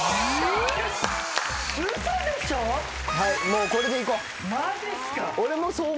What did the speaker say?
もうこれでいこう。